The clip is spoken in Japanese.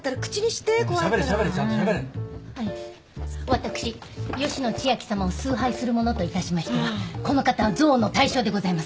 私吉野千明さまを崇拝する者といたしましてはこの方は憎悪の対象でございます。